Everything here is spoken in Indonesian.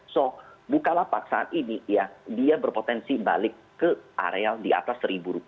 so bukalapak saat ini ya dia berpotensi balik ke areal di atas rp satu